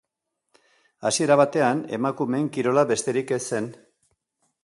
Hasiera batean emakumeen kirola besterik ez zen.